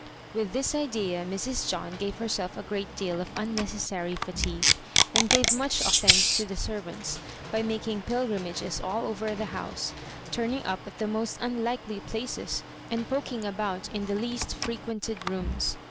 ^' With this idea Mrs. John gave herself a gpreat deal of unnecessary fatigue, and gave much offence to the servants by making pilgrimages all over the house, turning up at the most unlikely places and poking about in the least frequented rooms.